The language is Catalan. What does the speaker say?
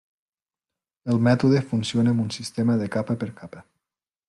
El mètode funciona amb un sistema de capa per capa.